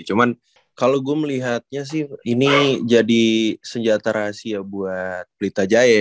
cuman kalau gue melihatnya sih ini jadi senjata rahasia buat pelita jaya